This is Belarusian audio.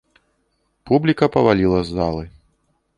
Публіка паваліла з залы.